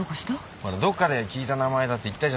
ほらどっかで聞いた名前だって言ったじゃない。